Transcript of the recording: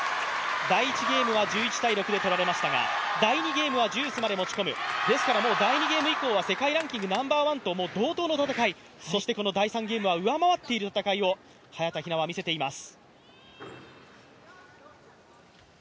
第１ゲームは１１−６で取られましたが、第２ゲームはジュースまで持ち込む、ですからもう第２ゲーム以降は世界ランキングナンバーワンと同等の戦い、そしてこの第３ゲームは上回っている戦いをこの早田ひなは見せています。